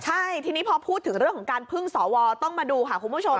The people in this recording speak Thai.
ใช่ทีนี้พอพูดถึงเรื่องของการพึ่งสวต้องมาดูค่ะคุณผู้ชม